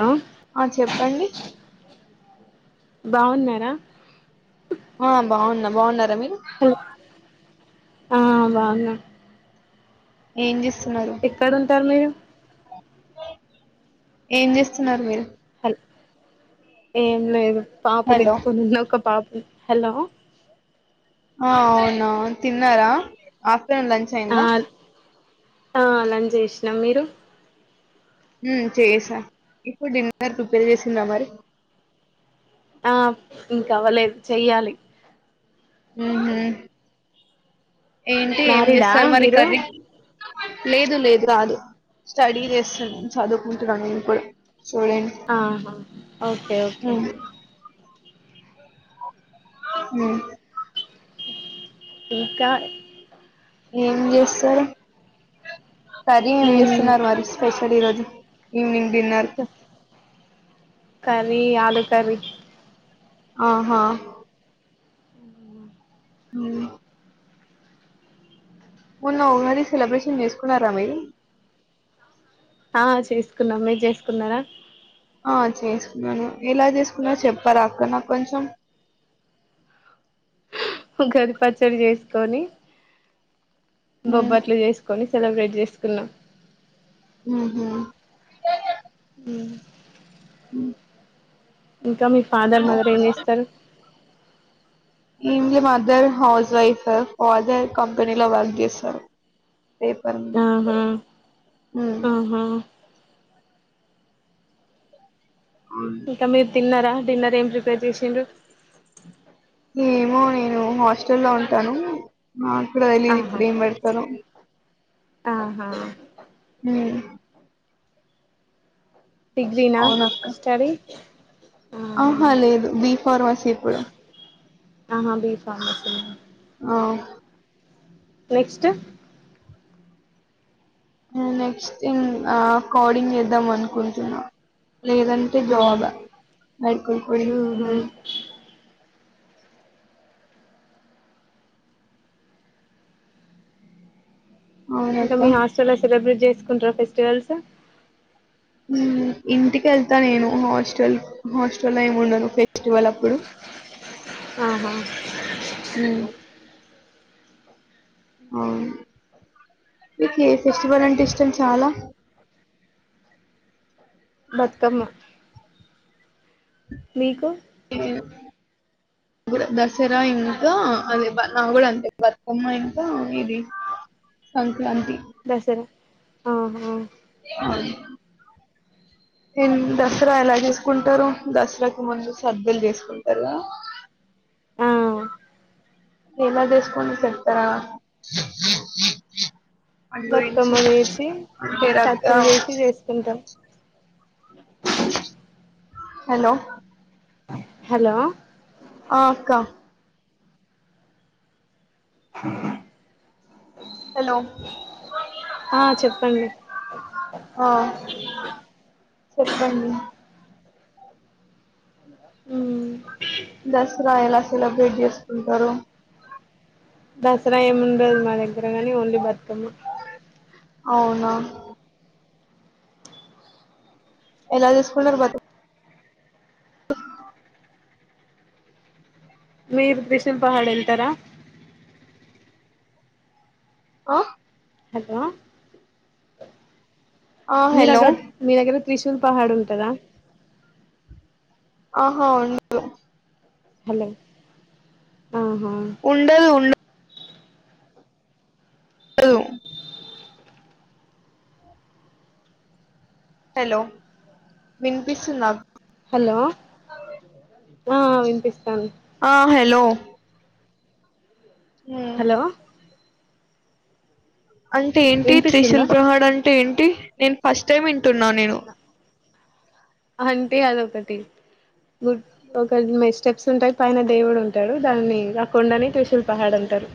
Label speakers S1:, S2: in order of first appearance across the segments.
S1: Hello
S2: ఆ చెప్పండి
S1: బాగున్నార
S2: ఆ బాగున్నా బాగున్నారా మీ
S1: ఆ బాగున్న
S2: ఏం చేస్
S1: ఎక్కడ ఉంటారు మీరు
S2: ఏం చేస్తున్నారు మీరు
S1: హల్ ఏం లేదు పాప ని
S2: హలో
S1: ఎతుకుని ఉన్న పాప ఒక పాప ని హలో
S2: ఆ అవునా తిన్నార ఆఫ్టర్నూన్ లంచ్
S1: ఆ
S2: అయిందా
S1: ఆ లంచ్ చేసినాం మీరు
S2: చేస ఇప్పుడు డిన్నర్ ప్రిపేర్ చేస్తున్న మరి
S1: ఆ ఇంక అవ్వలేదు చెయ్యాలి
S2: హ ఏంటి ఏం
S1: మ్యారీడా
S2: చేస్తారు మరి
S1: మీరు
S2: కర్రీ లేదు లేదు రాదు స్టడీ చేస్తాను చదువుకుంటున్నాను నేను కూడా
S1: ఆహా ఓకే ఓకే
S2: [unintelligible] హు
S1: ఇంకా
S2: కర్రీ
S1: మేం
S2: చేస్తున్నారు మరి స్పెషల్ కర్రీ ఈ రోజు ఈవినింగ్ డిన్నర్
S1: కరీ ఆలు కర్రీ
S2: ఆహా హు మొన్న [unintelligible] సెలబ్రేషన్ చేసుకున్నర మీరు
S1: ఆ చేసుకున్నాం మీరు చేసుకున్నార
S2: ఆ చేసుకున్నాను ఎలా చేసుకున్నారో చెప్తారఅక్క నాకు కొంచెం
S1: ఆ ఉగాది పచ్చడి చేసుకొని
S2: మ్మ్.
S1: బొబ్బట్లు చేసుకొని సెలబ్రేట్ చేసుకున్నాం
S2: ఉహు
S1: హ్మ్మ్
S2: అ
S1: ఇంకా మీ ఫాదర్ మదర్ ఏం చేస్తారు
S2: ఇంగ మదర్ హౌస్ వైఫ్ ఫాదర్ కంపెనీలో వర్క్ చేస్తాడు ఏపనీ
S1: ఆహా
S2: హ్మ్మ్
S1: ఆహా ఇంకా మీరు తిన్నరా డిన్నర్ ఏం ప్రిపేర్ చేసిండ్రు
S2: ఏమో నేను హాస్టల్ లో ఉంటాను నాకు కూడా తెలియని
S1: ఆహా
S2: ఇప్పుడు ఏం పెడతారు
S1: ఆహా
S2: హ్మ్మ్
S1: డిగ్రీనా
S2: అవునక్క
S1: స్టడీ
S2: ఆహా లేదు బి ఫార్మాసీ ఇప్పుడు
S1: ఆహా బీ ఫార్మసీ నా
S2: అవు
S1: నెక్స్ట్
S2: నెక్స్ట్ ఇంగ కోడింగ్ చేదమనుకొంటున్న లేదంటే
S1: ఆ
S2: జాబ్ మేడికల్ ఫీల్డ్
S1: ఆహా ఇంకా
S2: అవునక్క
S1: మీ హాస్టల్లో సెలబ్రేట్ చేసుకుంటార ఫెస్టివల్స్
S2: ఇంటికి వెళ్తా నేను హాస్టల్ హాస్టల్ లో ఏమి ఉండను ఫెస్టివల్ అప్పుడు
S1: ఆహ
S2: ఉమ్, ఆవు మీకు ఏ ఫెస్టివల్ అంటే ఇష్టం చాలా
S1: బతుకమ్మ మీకు
S2: హ దసరా ఇంకా అదే నా కూడా అంతే బతుకమ్మ ఇంకా ఇది సంక్రాంతి
S1: దసరా ఆహా
S2: అ
S1: అ
S2: దసరా ఎలా చేసుకుంటారు దసరాకి ముందు సద్ద్దలు చేసుకుంటారు
S1: ఆ
S2: ఎలా చేసుకుంటారో చెపుతారా
S1: బతుకమ్మ వేసి
S2: అంటే రక్క
S1: కత్తులు వేసి చేసుకుంటాం
S2: హలో
S1: హలో
S2: ఆ అక్క హలో
S1: ఆ చెప్పండి
S2: ఆ చెప్పండి
S1: హ్మ్మ్
S2: దసరా ఎలా సెలబ్రేట్ చేసుకుంటారు
S1: దసరా ఏముండదు మా దగ్గరగానీ ఓన్లీ బతుకమ్మ
S2: అవునా ఎలా తీసుకున్నారు బతి
S1: మీరు త్రిశూల్ పహాడ్ ఎళ్తారా
S2: ఆ
S1: హలో
S2: ఆ హలో
S1: మీరక్కడ మీ దగ్గర త్రిశూల్ పహాడ్ ఉంటదా
S2: ఆహా ఉం [inaudible]
S1: హలో ఆహా
S2: ఉండదు ఉండ దు హలో వినిపిస్సుందా
S1: హలో ఆ వినిపిస్తాంది
S2: ఆ హలో ఉమ్.
S1: హలో
S2: అంటే ఏంటి త్రిశూల్
S1: వినిపిస్తుందా
S2: ప్రహాడ్ అంటే ఏంటి నేను ఫస్ట్ టైమ్ విం
S1: అంటే అదో ఒకటి గుడ్ ఒకటిమె స్టెప్స్ ఉంటాయి పైన దేవుడు ఉంటాడు దాన్ని [unintelligible] డనే త్రిశూల్ పహాడ్ అంటారు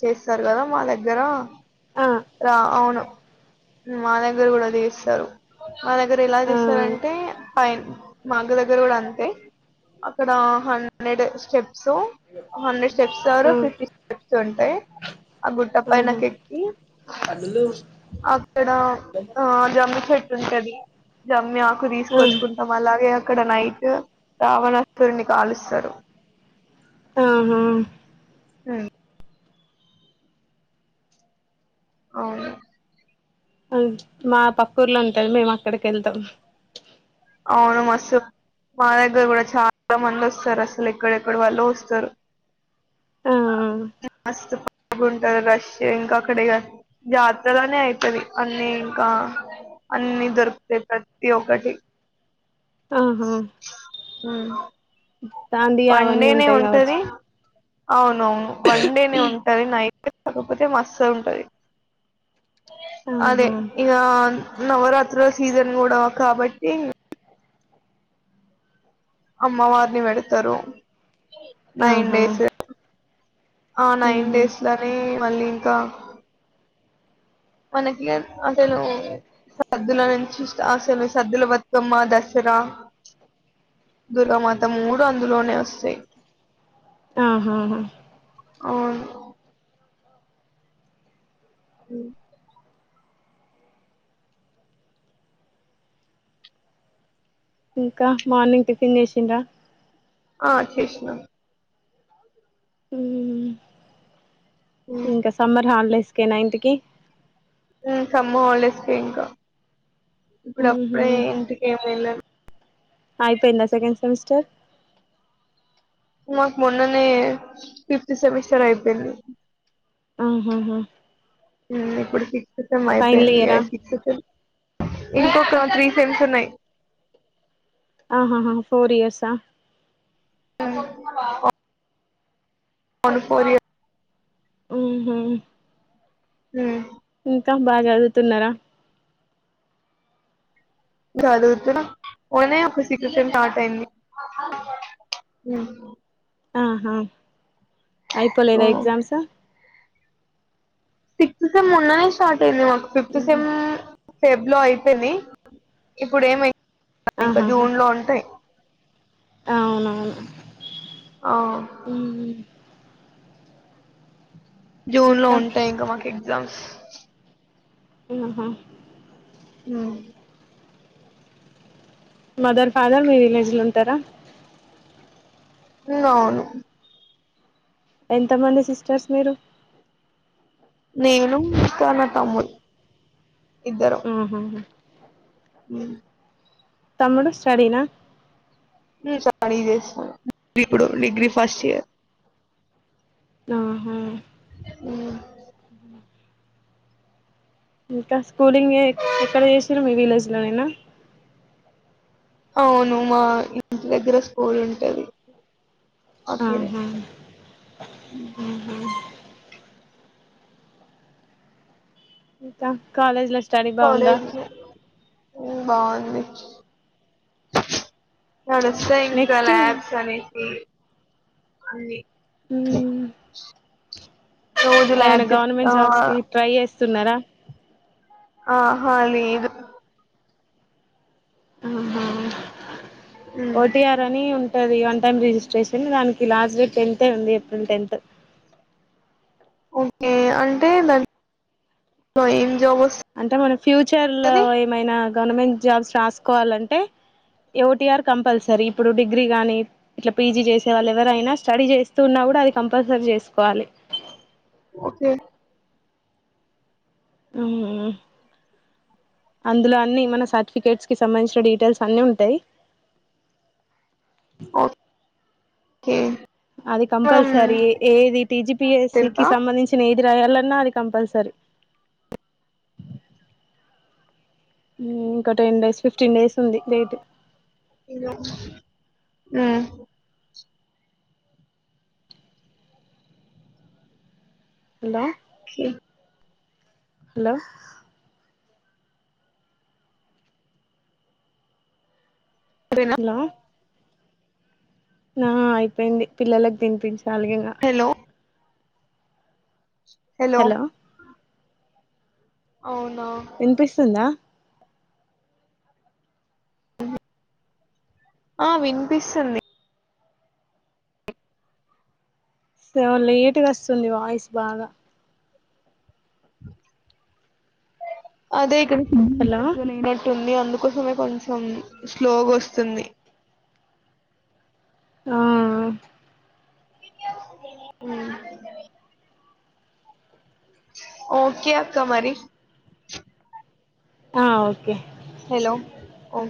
S2: చేస్సారు కదా మా దగ్గర
S1: ఆ
S2: రా అవును మా దగ్గర కూడా తీస్తారు మా దగ్గర ఎలా
S1: ఆ
S2: తీస్తారంటే పైన్ మాగ్గ దగ్గర కూడా అంతే అక్కడ హండ్రెడ్ స్టెప్స్ హండ్రెడ్ స్టెప్స్ ద్వారా
S1: ఆ
S2: ఫిఫ్టీ స్టెప్స్ ఉంటాయి ఆ గుట్ట పైనకు ఎక్కి
S1: అందులో
S2: అక్కడ ఆ జమ్మి చెట్టు ఉంటది జమ్మి ఆకు
S1: ఆహా
S2: తీసుకొచ్చుకుంటాం అలాగే అక్కడ నైటు రావణాసురుడిని కాలుస్సారు
S1: ఆహా
S2: ఉమ్ అవును
S1: [unintelligible] మా పక్క ఊర్లో ఉంటాది మేము అక్కడికి వెళ్తాం
S2: అవును మస్తు మా దగ్గర కూడా చాలా మంది వస్తారు అసలు ఎక్కడెక్కడ వాళ్ళో వస్తారు
S1: ఆ
S2: మస్తు బాగున్ టది రష్ ఇంకా అక్కడ ఇగ జాతరనే ఐతది అన్నీ ఇంకా అన్నీ దొరుకుతాయి ప్రత్తి ఒక్కటి
S1: ఆహా
S2: ఊ
S1: దాండి
S2: వన్ డే
S1: అవన్నీ
S2: నే
S1: ఉంటాయి
S2: ఉంటది
S1: కావచ్చు
S2: అవునవును వన్ డే నే ఉంటది నైట్ కాకపోతే మస్త్ ఉంటది అదే
S1: ఆహా
S2: ఇగ నవరాత్రుల సీజన్ కూడా కాబట్టి అమ్మవారిని పెడతారు నైన్
S1: ఆహా
S2: డేస్ ఆ నైన్
S1: ఉహు
S2: డేస్ లనే మళ్ళీ ఇంకా మనకి అసలు సద్దుల నుంచి స్టా అసలు సద్దుల బతుకమ్మ దసరా దుర్గమాత మూడూ అందులోనే వస్తాయి
S1: ఆహాహా
S2: అవును ఊ
S1: ఇంకా మార్నింగ్ టిఫిన్ చేసిండ్రా
S2: ఆ చేషినాం
S1: ఉమ్
S2: ఉమ్.
S1: ఇంక సమ్మర్ హాలిడేస్ కేనా ఇంటికి
S2: ఊ సమ్మూ హాలిడేస్ కే ఇంకా ఇప్పుడ ప్పుడే ఇంటికే వెళ్ళన్
S1: ఆ అయిపోయింద సెకండ్ సెమిస్టర్
S2: మాక్ మొన్ననే ఫిఫ్త్ సెమిస్టర్ అయిపోయింది
S1: ఆహహ
S2: ఇప్పుడు సిక్స్ సెమ్ అయిపోయింది. ఇక
S1: ఇయరా
S2: సిక్స్త్ సెమ ఇంకొక త్రీ సెమ్స్ ఉన్నాయి
S1: ఆహహా ఫోర్ ఇయర్స
S2: ఒ మది ఫోర్ ఇయర్
S1: ఊహు
S2: మ్
S1: ఇంక బాగా చదువుతున్నారా
S2: చదువుతున్న [unintelligible] ఒక సిటీతో స్టార్ట్ అయింది ఉమ్
S1: ఆహ అయిపోలేదా ఎగ్జామ్స్
S2: సిక్స్త్ సెమ్ మోన్న స్టార్ట్ అయింది మాకు ఫిఫ్త్ సెమ్ ఫెబ్ లో అయిపోద్ది ఇప్పుడు ఏమై ఇంకా జూన్లో ఉంటాయి
S1: ఆ అవునవును
S2: ఆ
S1: ఉమ్
S2: జూన్ లో
S1: ఇంకా
S2: ఉంటాయి ఇంక మాకు ఎగ్జామ్స్
S1: ఆహ
S2: హు
S1: మదర్ ఫాదర్ మీ విలేజ్ లో ఉంటారా
S2: మ్ అవును
S1: ఎంతమంది సిస్టర్స్ మీరు
S2: నేను ఇంకా నా తమ్ముడు
S1: ఊహు
S2: మ్
S1: తమ్ముడు స్టడీనా
S2: ఉమ్ స్టడీ చేస్తున్నాడు ఇప్పుడు డిగ్రీ ఫస్ట్ ఇయర్
S1: ఆహ
S2: ఉహ్
S1: ఇంక స్కూలింగ్ ఎక్కడ చేస్తున్నావ్ మీ విలేజ్ లోనైనా
S2: అవును మా ఇంటి దగ్గర స్కూల్ ఉంటది
S1: ఆహ
S2: ఉమ్
S1: ఇంకా కాలేజ్లో
S2: కాలేజ్ లో ఉమ్ బాగుంది నడుస్తాయి ఇంకా
S1: నెక్స్ట్ ఉమ్
S2: ల్యాబ్స్ అనేసి అన్ని
S1: మ్
S2: రోజు ల్యాబ్
S1: ఏమైనా
S2: చెప్తా
S1: గవర్నమెంట్ జాబ్స్ కి ట్రై చేస్ స్తున్నారా
S2: ఆహ లేదు
S1: ఊహు
S2: ఉమ్
S1: ఓటిఆర్ అని ఉ ఉంటది ఒన్ టైమ్ రిజిస్ట్రేషన్ దానికి లాస్ట్ డేట్ టెన్త్ే ఉంది ఏప్రిల్ టెన్త్
S2: ఓకే అంటే దాని లో ఏం జాబ్
S1: అంటే మన ఫ్యూచర్ లో
S2: వస్తది
S1: ఏమైనా గవర్నమెంట్ జాబ్స్ రాసుకోవాలంటే ఓటిఆర్ కంపల్సరీ ఇప్పుడు డిగ్రీ గాని ఇట్ల పీజీ చేసే వాళ్ళు ఎవరైనా స్టడీ చేస్తుూన్నా కూడ అది కంపల్సరీ చేసుకోవాలి
S2: ఒకే
S1: ఊహు అందులో అన్నీ మన సర్టిఫికేట్స్ కి సంబంధించిన డీటెయిల్స్ అన్నీ ఉంటాయి
S2: ఓకే
S1: అది
S2: మనం
S1: కంపల్సరీ ఏది టిజిపిఎస్సి కి
S2: తెలుసా
S1: సంబంధించిన ఏ ది రాయలన్నా అది కంపల్సరి ఇంకా ten days fifteen days ఉంది డేట్
S2: ఆ
S1: హలో
S2: ఒకే
S1: హలో
S2: సరేనా
S1: హలో ఆ అయిపోయింది పిల్లలకి తినిపించాల్ గిగ
S2: హలో హలో అవును
S1: వినిపిస్తుందా
S2: ఆ వినిపిస్తుంది
S1: చూసావా లేట్గా గస్తుంది వాయిస్ బాగా
S2: అదే
S1: హలో
S2: కరెక్టుగా లేనట్టుంది అందు కోసమే కొంచెం స్లోగా వస్తుంది
S1: ఆ
S2: ఉ ఓకే అక్క మరి
S1: ఆ ఓకే
S2: హలో ఓ